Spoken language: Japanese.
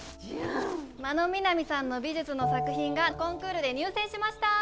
真野みなみさんの美術の作品がコンクールで入選しました！